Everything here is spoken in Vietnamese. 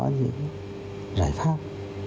những giải pháp